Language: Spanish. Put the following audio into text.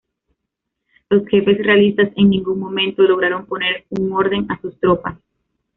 Los jefes realistas en ningún momento lograron poner un orden a sus tropas.